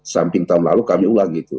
samping tahun lalu kami ulang gitu